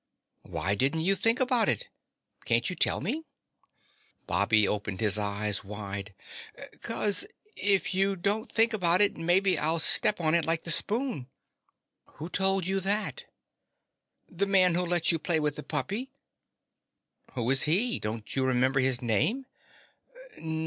"Why didn't you think about it? Can't you tell me?" Bobby opened his eyes wide. "'Cause if you don't think about it maybe I'll step on it like the spoon." "Who told you that?" "The Man Who Lets You Play with the Puppy." "Who is he? Don't you remember his name?"